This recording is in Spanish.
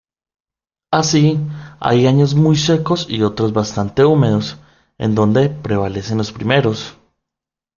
Así, hay años muy secos y otros bastante húmedos, en donde prevalecen los primeros.